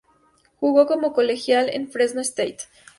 Jugó como colegial en Fresno State.